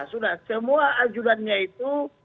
sudah semua ajudannya itu